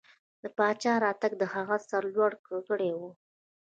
د پاچا راتګ د هغه سر لوړ کړی و.